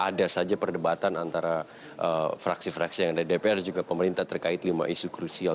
ada saja perdebatan antara fraksi fraksi yang ada dpr juga pemerintah terkait lima isu krusial